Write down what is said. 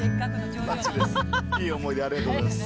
いい思い出ありがとうございます。